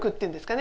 ね